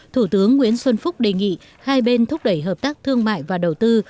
thủ tướng nguyễn xuân phúc đề nghị hai bên thúc đẩy hợp tác thương mại và đầu tư